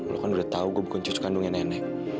lo kan udah tau gue bukan cucu kandungnya nenek